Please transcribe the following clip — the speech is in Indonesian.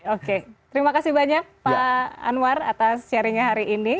oke terima kasih banyak pak anwar atas sharingnya hari ini